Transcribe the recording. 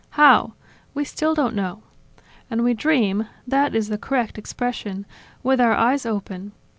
How? We still don't know. ... And we dream (that is the correct expression) with our eyes open.